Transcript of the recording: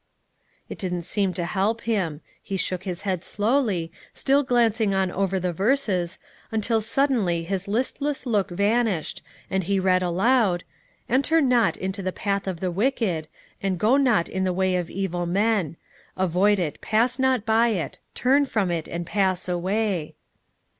'" It didn't seem to help him; he shook his head slowly, still glancing on over the verses, until suddenly his listless look vanished, and he read aloud; "Enter not into the path of the wicked, and go not in the way of evil men. Avoid it, pass not by it, turn from it, and pass away."